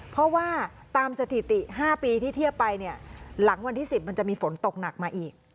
เพราะว่าตามสถิติ๕ปีที่เทียบไปเนี่ยหลังวันที่๑๐มันจะมีฝนตกหนักมาอีก